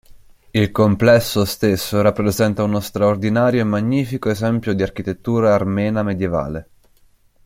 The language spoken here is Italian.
Il complesso stesso rappresenta uno straordinario e magnifico esempio di architettura armena medievale.